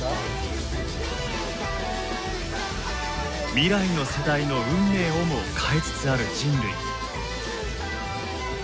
未来の世代の運命をも変えつつある人類。